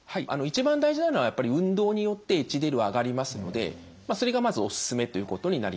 一番大事なのはやっぱり運動によってＨＤＬはあがりますのでそれがまずおすすめということになります。